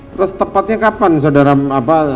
terus tepatnya kapan saudara apa